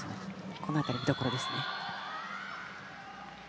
この辺り、見どころですね。